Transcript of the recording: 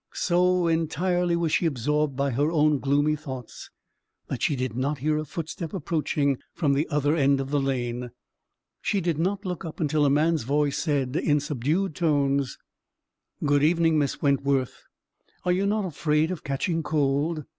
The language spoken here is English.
So entirely was she absorbed by her own gloomy thoughts, that she did not hear a footstep approaching from the other end of the lane; she did not look up until a man's voice said, in subdued tones,— "Good evening, Miss Wentworth; are you not afraid of catching cold?